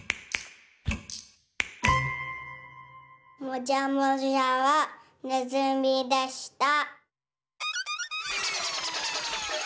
もじゃもじゃはねずみでした。